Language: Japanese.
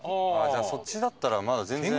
じゃあそっちだったらまだ全然。